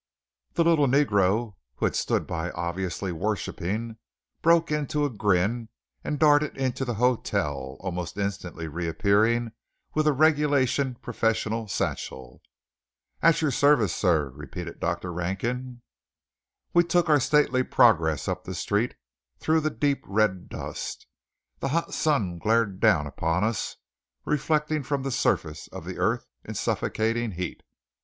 The little negro, who had stood by obviously worshipping, broke into a grin and darted into the hotel, almost instantly reappearing with a regulation professional satchel. "At your service, sir," repeated Dr. Rankin. We took our stately progress up the street, through the deep red dust. The hot sun glared down upon us, reflecting from the surface of the earth in suffocating heat.